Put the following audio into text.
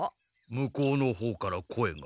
向こうのほうから声が。